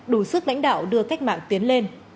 đủ sức lãnh đạo đưa cách mạng tiến lên